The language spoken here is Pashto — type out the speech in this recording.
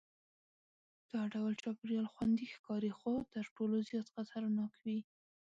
دا ډول چاپېریال خوندي ښکاري خو تر ټولو زیات خطرناک وي.